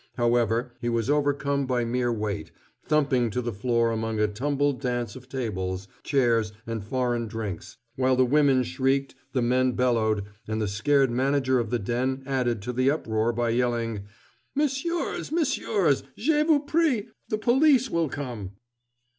However, he was overcome by mere weight, thumping to the floor among a tumbled dance of tables, chairs, and foreign drinks, while the women shrieked, the men bellowed, and the scared manager of the den added to the uproar by yelling: "M'sieurs! M'sieurs! Je vous prie! The police will come!"